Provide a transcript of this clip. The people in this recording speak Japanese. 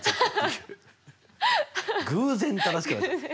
偶然正しくなっちゃった。